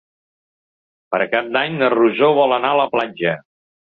Per Cap d'Any na Rosó vol anar a la platja.